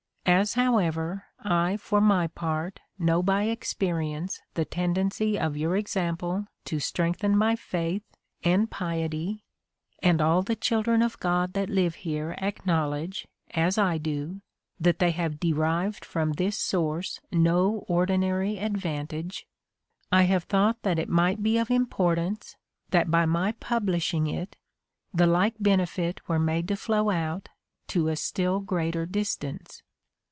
As, however, I for my part know by experience the tendency of your example to strengthen my faith and piety, and all the children of God that live here acknowledge, as I do, that they have derived from this source no ordinary advantage, I have thought that it might be of importance, that, by my publishing it, the like benefit were made to flow out to a still greater distance.